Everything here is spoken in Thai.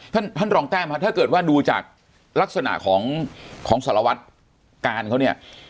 ท่านท่านรองแต้มครับถ้าเกิดว่าดูจากลักษณะของของสารวัตรการเขาเนี่ย